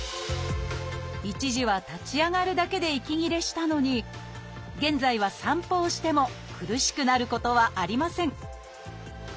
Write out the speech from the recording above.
一時は立ち上がるだけで息切れしたのに現在は散歩をしても苦しくなることはありません。